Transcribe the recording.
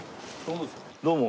どうも。